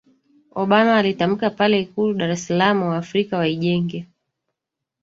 Obama alitamka pale Ikulu Dar es Salaam Waafrika waijenge